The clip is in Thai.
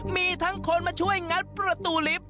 มีทั้งคนมาช่วยงัดประตูลิฟต์